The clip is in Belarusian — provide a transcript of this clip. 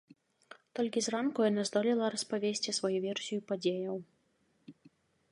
Толькі зранку яна здолела распавесці сваю версію падзеяў.